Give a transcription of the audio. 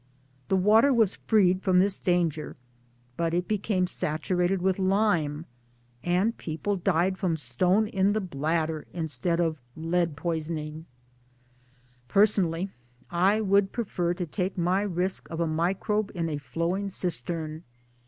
The water was freed from this danger, but it became saturated with lime ; and the people died from stone in the bladder instead of lead poisoning I Person RURAU CONDITIONS 297 ally I would prefer to take my risk of a microbe in a flowing cistern.